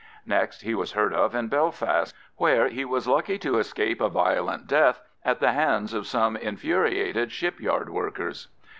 Next he was heard of in Belfast, where he was lucky to escape a violent death at the hands of some infuriated shipyard workers.